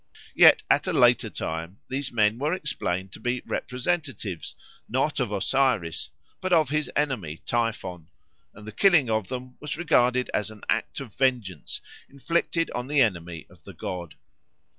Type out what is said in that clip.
Yet at a later time these men were explained to be representatives, not of Osiris, but of his enemy Typhon, and the killing of them was regarded as an act of vengeance inflicted on the enemy of the god.